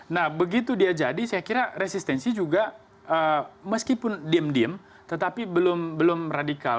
nah begitu dia jadi saya kira resistensi juga meskipun diem diem tetapi belum radikal